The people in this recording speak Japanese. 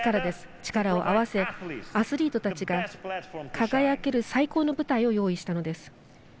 力を合わせアスリートたちが輝ける最高の舞台を用意したのです。